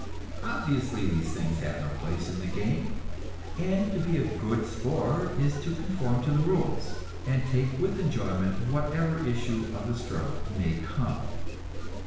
Obviously, these things have no place in the game, and to be a "good sport" is to conform to the rules, and take with enjoyment whatever issue of the struggle may come.